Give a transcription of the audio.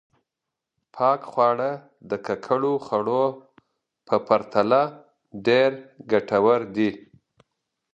پاک خواړه د ککړو خوړو په پرتله ډېر ګټور دي.